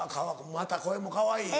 また声もかわいい。